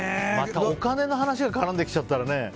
お金の話が絡んできちゃったらね。